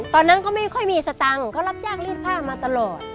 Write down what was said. ตอนนั้นเขาไม่ค่อยมีสตังค์เขารับจ้างรีดผ้ามาตลอด